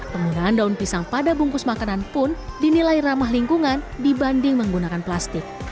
penggunaan daun pisang pada bungkus makanan pun dinilai ramah lingkungan dibanding menggunakan plastik